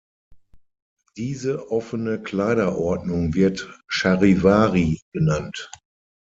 Diese offene Kleiderordnung wird "Charivari" genannt.